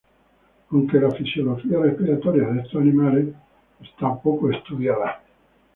Aunque la fisiología respiratoria de estos animales esta poco estudiada.